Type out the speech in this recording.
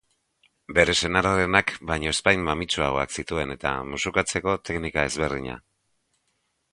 Bere senarrarenak baino ezpain mamitsuagoak zituen eta musukatzeko teknika ezberdina.